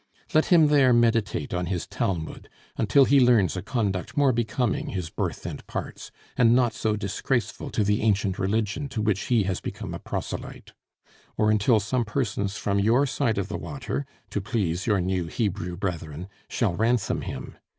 Let him there meditate on his Talmud, until he learns a conduct more becoming his birth and parts, and not so disgraceful to the ancient religion to which he has become a proselyte; or until some persons from your side of the water, to please your new Hebrew brethren, shall ransom him.